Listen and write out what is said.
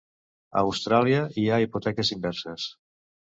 A Austràlia, hi ha hipoteques inverses.